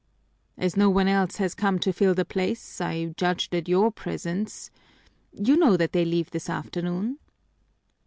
"As no one else has come to fill the place, I judged that your presence You know that they leave this afternoon."